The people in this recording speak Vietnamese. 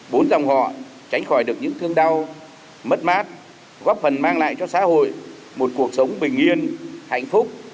bốn dòng họ tránh khỏi được những thương đau mất mát góp phần mang lại cho xã hội một cuộc sống bình yên hạnh phúc